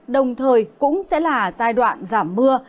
đồng thời cũng sẽ là giai đoạn giảm mưa